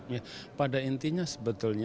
ya pada intinya sebetulnya